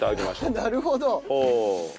なるほど。